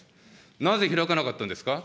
なぜ開かなかったんですか。